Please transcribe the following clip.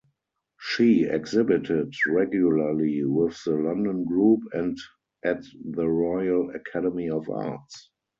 She exhibited regularly with the London Group and at the Royal Academy of Arts.